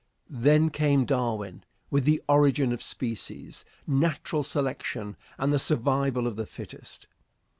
Then came Darwin with the "Origin of Species," "Natural Selection," and the "Survival of the Fittest."